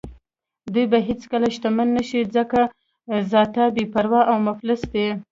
دوی به هېڅکله شتمن نه شي ځکه ذاتاً بې پروا او مفلس دي.